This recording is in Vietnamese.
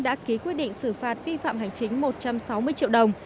đã ký quyết định xử phạt vi phạm hành chính một trăm sáu mươi triệu đồng